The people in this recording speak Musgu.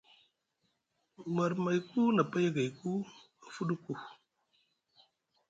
Marmayku nʼa paya gayku a fuɗuku.